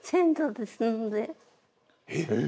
えっ？